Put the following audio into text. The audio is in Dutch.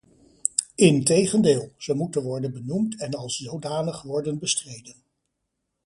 In tegendeel, ze moeten worden benoemd en als zodanig worden bestreden.